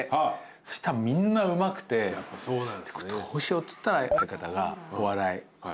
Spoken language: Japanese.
そしたらみんなうまくてどうしようっつったら相方が。